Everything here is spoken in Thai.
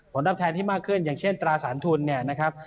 ตอบแทนที่มากขึ้นอย่างเช่นตราสารทุนเนี่ยนะครับ